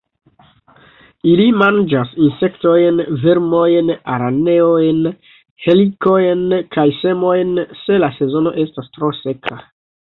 Ili manĝas insektojn, vermojn, araneojn, helikojn kaj semojn, se la sezono estas tro seka.